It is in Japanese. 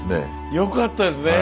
よかったですね